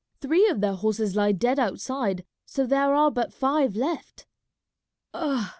Three of their horses lie dead outside, so there are but five left." "Ah!